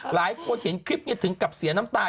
หลายคนเห็นคลิปนี้ถึงกับเสียน้ำตา